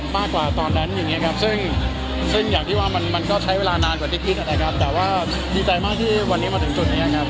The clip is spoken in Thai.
บางเวลานานกว่าที่ผิดอะครับแต่ว่าดีใจมากที่วันนี้มาถึงจุดเนี่ยครับ